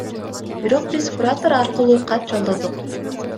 Бирок биз куратор аркылуу кат жолдодук.